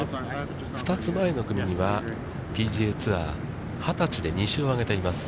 ２つ前の組には、ＰＧＡツアー、２０歳で２勝を挙げています